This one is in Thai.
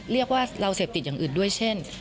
เรียกว่าเราเสพติดอย่างอื่นด้วยเช่น